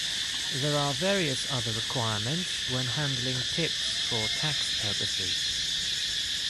There are various other requirements when handling tips for tax purposes.